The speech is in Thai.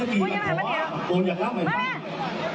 ตกไปอย่าทำงานหลังมาสั่งผม